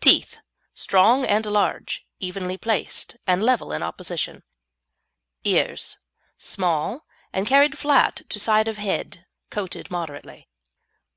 TEETH Strong and large, evenly placed, and level in opposition. EARS Small, and carried flat to side of head, coated moderately.